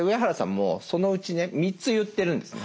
もうそのうちね３つ言ってるんですね。